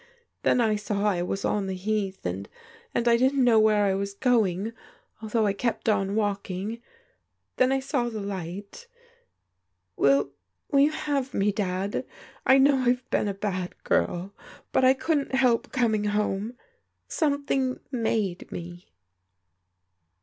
Then I saw I was on the Heath, and — ^and I didn't know where I was going, although I kept on waMng. Then I saw the \\^\..•••^'^ 326 PRODIGAL DAUGHTERS — will you have me, Dad? I know I've been a bad girl, but I couldn't help coming home ; something made me."